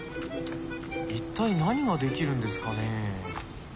一体何が出来るんですかね。